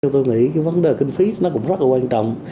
tôi nghĩ cái vấn đề kinh phí nó cũng rất là quan trọng